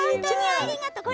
ありがとう。